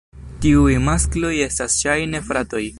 Tiuj maskloj estas ŝajne fratoj.